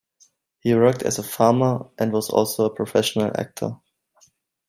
He worked as a farmer, and was also a professional actor.